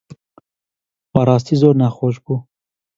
بەڕاستی زۆر ناخۆش بوو.